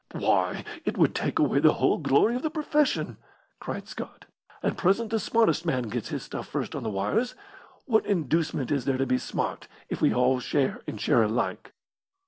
"Why, it would take away the whole glory of the profession!" cried Scott. "At present the smartest man gets his stuff first on the wires. What inducement is there to be smart if we all share and share alike?"